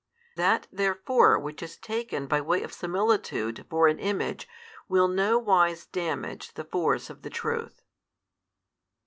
That therefore which is taken by way of similitude for an image will no wise damage the force of the truth.